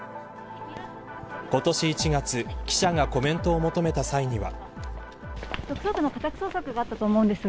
今年１月記者がコメントを求めた際には。